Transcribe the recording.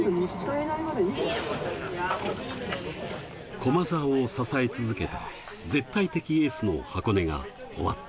駒澤を支え続けた絶対的エースの箱根が終わった。